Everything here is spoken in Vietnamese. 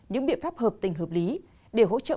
những biện pháp hợp tình hợp lý để hỗ trợ